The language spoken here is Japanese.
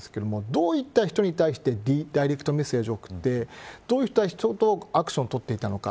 どういった人に対してダイレクトメッセージを送ってどういった人とアクションを取っていたのか。